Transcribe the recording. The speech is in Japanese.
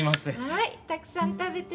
はい。